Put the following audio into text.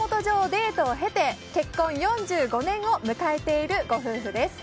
デートを経て結婚４５年を迎えているご夫婦です。